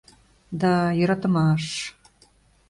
Да, йӧратымаш!..